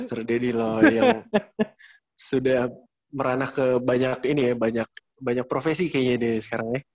mr daddy loy yang sudah meranah ke banyak profesi kayaknya sekarang ya